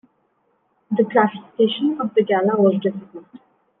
The classification of the galah was difficult.